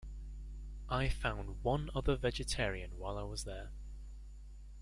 I found one other vegetarian while I was there.